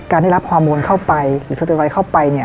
ได้รับฮอร์โมนเข้าไปหรือสเตไลท์เข้าไปเนี่ย